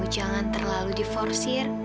jangan terlalu diforsir